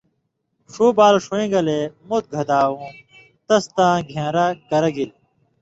ݜُو بال ݜُون٘یں گلے مُت گھداؤں تس تاں گھېن٘رو کرہ گِلیۡ ۔